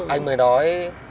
anh mới nói